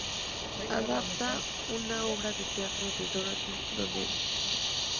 Adapta una obra de teatro de Dorothy Donnelly.